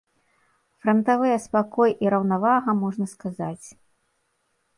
Франтавыя спакой і раўнавага, можна сказаць.